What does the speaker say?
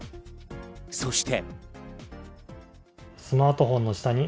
そして。